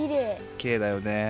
きれいだよね。